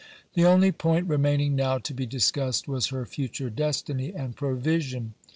The only point remaining now to be discussed was her future destiny and provision.